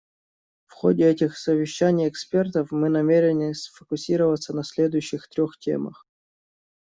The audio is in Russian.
В ходе этих совещаний экспертов мы намерены сфокусироваться на следующих трех темах.